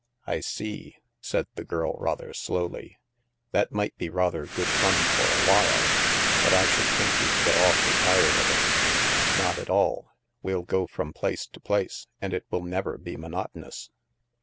" I see," said the girl rather slowly. " That might be rather good fun for a while, but I should think we'd get awfully tired of it." *' Not at all. We'll go from place to place, and it will never be monotonous."